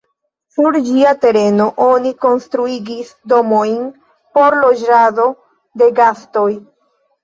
Sur ĝia tereno oni konstruigis domojn por loĝado de gastoj.